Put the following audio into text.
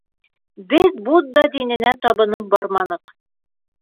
Беҙ Будда диненә табынып барманыҡ.